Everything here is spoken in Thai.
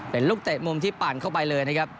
เป็นลูกเตะมุมที่ปั่นเข้าไปเลยนะครับ